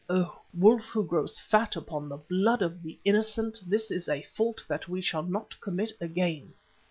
Oh! wolf who grows fat upon the blood of the innocent, this is a fault that we shall not commit again.